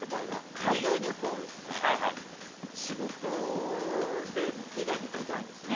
海外旅行ですね仕事以外で行ったことないんですよ